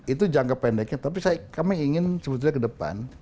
itu jangka pendeknya tapi kami ingin sebetulnya ke depan